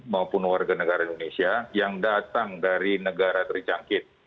maupun warga negara indonesia yang datang dari negara terjangkit